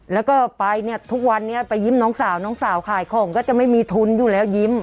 แล้วก็ไปเนี่ยทุกวันนี้ไปยิ้มน้องสาวน้องสาวขายของก็จะไม่มีทุนอยู่แล้วยิ้ม